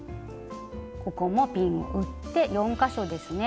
ここもピンを打って４か所ですね。